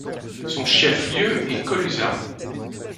Son chef-lieu est Colusa.